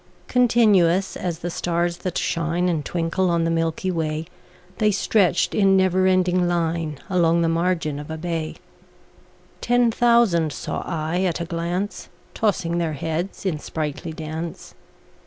Continuous as the stars that shine And twinkle on the milky way, The stretched in never ending line Along the margin of a bay: Ten thousand saw I at a glance, Tossing their heads in sprightly dance.